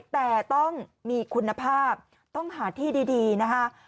แต่ต้องมีคุณภาพต้องหาที่ดีนะคะ